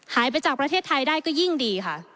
หายไปจากประเทศไทยได้ก็ยิ่งดีค่ะ